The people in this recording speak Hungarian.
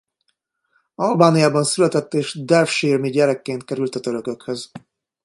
Albániában született és devsirme-gyerekként került a törökökhöz.